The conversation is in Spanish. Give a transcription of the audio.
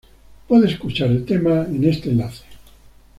Puede escuchar el tema en este enlace